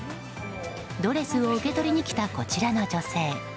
ドレスを受け取りに来たこちらの女性。